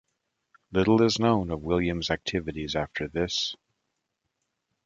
Little is known of William's activities after this.